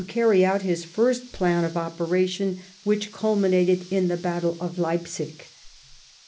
•carry out liis first plan of operation, which culniiuatoJ in tlic battle of Leipsig.